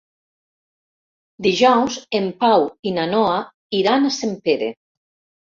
Dijous en Pau i na Noa iran a Sempere.